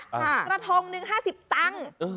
ค่ะกระทงนึง๕๐ตังค์